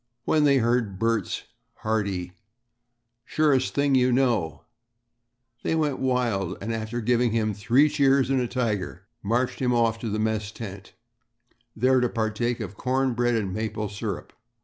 When they heard Bert's hearty "Surest thing you know," they went wild, and after giving him "three cheers and a tiger," marched him off to the mess tent, there to partake of corn bread and maple syrup.